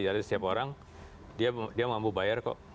jadi setiap orang dia mampu bayar kok